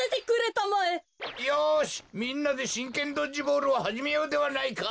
よしみんなでしんけんドッジボールをはじめようではないか！